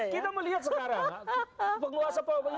kita melihat sekarang